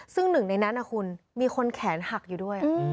ซึ่งหนึ่งในนั้นนะคุณมีคนแขนหักอยู่ด้วย